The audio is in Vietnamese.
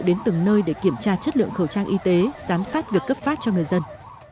đến từng nơi để kiểm tra chất lượng khẩu trang y tế giám sát việc cấp phát cho người dân